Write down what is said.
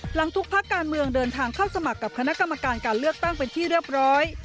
หลังทุกภาคการเมืองเดินทางเข้าสมัครกับคณะกรรมการการเลือกตั้งเป็นที่เรียบร้อย